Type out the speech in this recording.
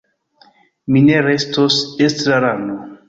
Mi ne restos estrarano.